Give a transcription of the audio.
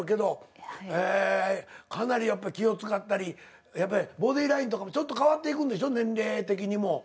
ええかなりやっぱ気を遣ったりやっぱりボディーラインとかもちょっと変わっていくんでしょ年齢的にも。